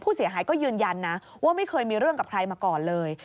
ผู้เสียหายก็ยืนยันนะว่าไม่เคยมีเรื่องกับใครมาก่อนเลย